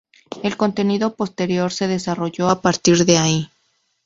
El contenido posterior se desarrolló a partir de ahí.